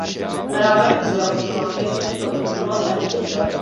Ráda bych ujasnila, že jsme tyto informace obdrželi.